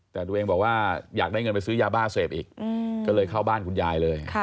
แต่ตัวเองบอกว่าอยากได้เงินไปซื้อยาบ้าเสพอีกก็เลยเข้าบ้านคุณยายเลย